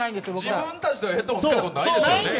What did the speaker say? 自分たちのをヘッドホンで聴いたことないですよね？